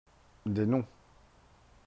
Des noms